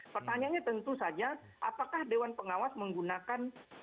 pertanyaannya tentu saja apakah dewan pengawas menggunakan